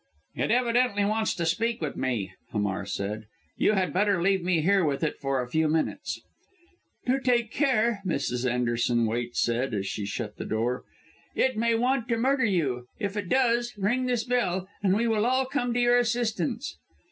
"It evidently wants to speak with me," Hamar said; "you had better leave me here with it for a few minutes." "Do take care," Mrs. Anderson Waite said, as she shut the door. "It may want to murder you. If it does, ring this bell, and we will all come to your assistance."